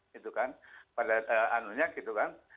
gitu kan pada anunya gitu kan